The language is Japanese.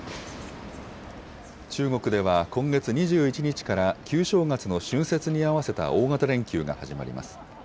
中国では今月２１日から旧正月の春節に合わせた大型連休が始まります。